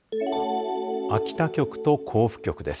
秋田局と甲府局です。